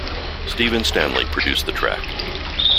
Steven Stanley produced the track.